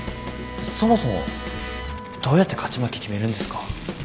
そもそもどうやって勝ち負け決めるんですか？